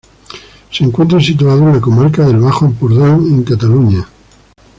Se encuentra situado en la comarca del Bajo Ampurdán en Cataluña.